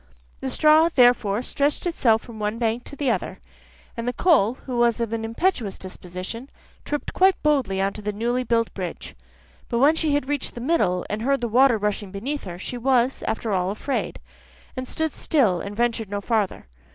The straw therefore stretched itself from one bank to the other, and the coal, who was of an impetuous disposition, tripped quite boldly on to the newly built bridge. But when she had reached the middle, and heard the water rushing beneath her, she was after all, afraid, and stood still, and ventured no farther.